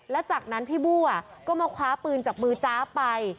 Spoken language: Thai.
แล้วจากนั้นพี่บัวก็มาคว้าปืนจากมือจ้าไป